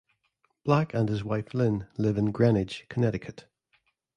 Black and his wife Lyn live in Greenwich, Connecticut.